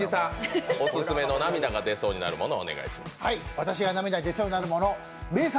私が涙が出そうになるモノ名作